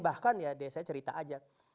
bahkan ya saya cerita aja